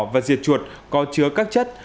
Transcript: và diệt chuột có chứa các chất